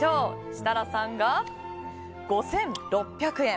設楽さんが５６００円。